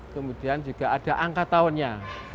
kemudian juga ada angka tahunnya